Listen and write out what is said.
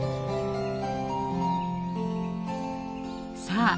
さあ